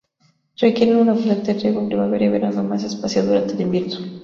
Requieren un abundante riego en primavera y verano, más espaciado durante el invierno.